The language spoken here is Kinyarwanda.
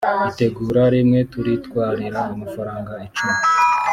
itegura riwe turitwarira amafaranga icumi